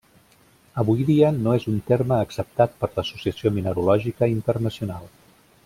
Avui dia no és un terme acceptat per l'Associació Mineralògica Internacional.